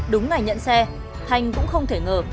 đúng ngày nhận xe thanh cũng không thể ngờ